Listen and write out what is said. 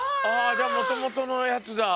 じゃあもともとのやつだ。